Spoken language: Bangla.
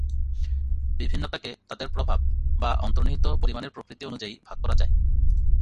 বিভিন্নতাকে তাদের প্রভাব বা অন্তর্নিহিত পরিমাণের প্রকৃতি অনুযায়ী ভাগ করা যায়।